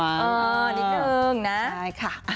เออนิดนึงนะใช่ค่ะ